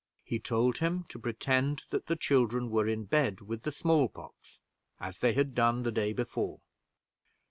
He told him to pretend that the children were in bed with the small pox, as they had done the day before.